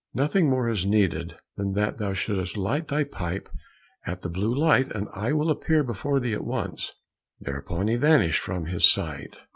"Nothing more is needed than that thou shouldst light thy pipe at the blue light, and I will appear before thee at once." Thereupon he vanished from his sight.